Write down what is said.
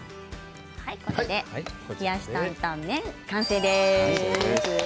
冷やし担々麺完成です。